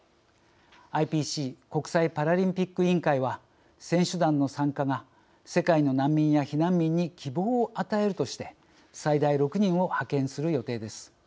ＩＰＣ＝国際パラリンピック委員会は、選手団の参加が世界の難民や避難民に希望を与えるとして最大６人を派遣する予定です。